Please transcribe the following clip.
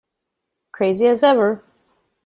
Crazy as ever!